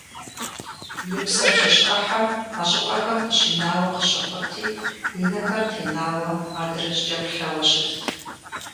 И псэм щыщ Ӏыхьэ а щӀыпӀэхэм къыщинауэ къыщыхъурти, и нэхэр тенауэ адрыщӀкӀэ плъэуэ щытт.